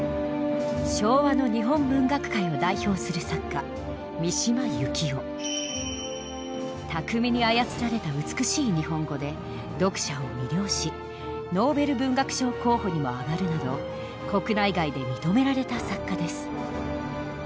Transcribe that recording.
昭和の日本文学界を代表する巧みに操られた美しい日本語で読者を魅了しノーベル文学賞候補にも挙がるなど国内外で認められた作家です。